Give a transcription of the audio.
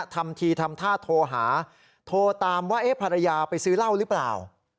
ทำทีทำท่าโทรหาโทรตามว่าภรรยาไปซื้อเหล้าหรือเปล่า